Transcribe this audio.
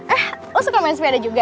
eh lo suka main sepeda juga